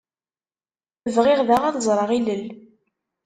Bɣiɣ daɣ ad ẓreɣ ilel.